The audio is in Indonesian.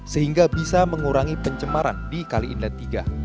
sehingga bisa mengurangi pencemaran di kali inlet tiga